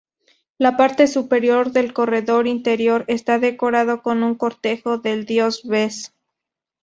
La parte superior del corredor interior está decorada con un cortejo del dios Bes.